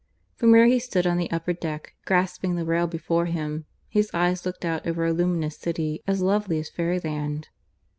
From where he stood on the upper deck, grasping the rail before him, his eyes looked out over a luminous city as lovely as fairyland.